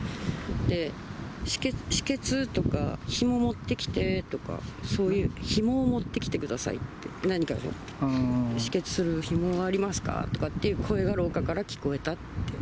で、止血とかひもを持ってきてとか、そういう、ひもを持ってきてくださいって、何か止血するひもありますか？とかっていう声が、廊下から聞こえたって。